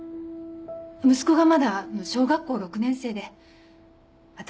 息子がまだ小学校６年生で私